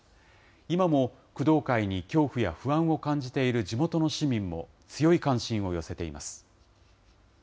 今も工藤会に恐怖や不安を感じている地元の市民も強い関心を寄せています。